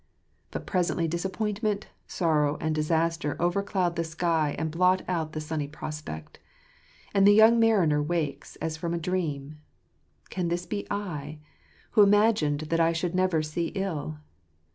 But presently disappointment, sorrow, and disaster overcloud the sky and blot out the sunny prospect ; and the young mariner wakes as from a dream, " Can this be I, who imagined that I should never see ill?"